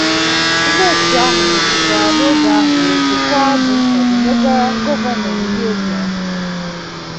Ndi otu ahụ nọzịkwara n'oge ahụ wee bụkuo abụ nkwado nyegara gọvanọ Willie Obianọ